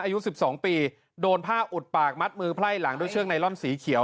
อายุ๑๒ปีโดนผ้าอุดปากมัดมือไพ่หลังด้วยเชือกไนลอนสีเขียว